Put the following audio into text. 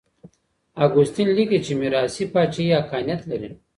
اګوستين ليکي چي ميراثي پاچاهي حقانيت لري.